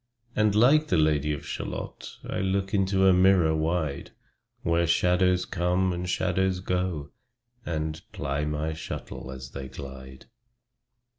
And like the Lady of Shalott I look into a mirror wide, Where shadows come, and shadows go, And ply my shuttle as they glide.